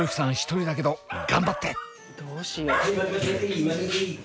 １人だけど頑張って！